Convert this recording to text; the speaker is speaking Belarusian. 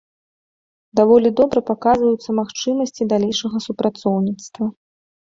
Даволі добра паказваюцца магчымасці далейшага супрацоўніцтва.